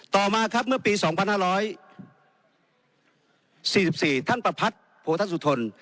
ต่อมาครับเมื่อปี๒๕๔๔ท่านประพัทธ์โพธสุทน